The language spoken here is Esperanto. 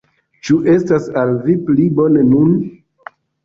Ĉu estas al vi pli bone nun?